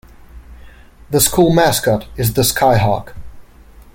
The school mascot is the Skyhawk.